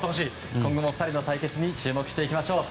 今後も２人の対決に注目していきましょう。